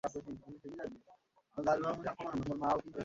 আহ, কি লজ্জার বিষয়!